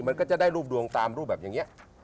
มันก็จะได้รูปดวงตามรูปแบบอย่างนี้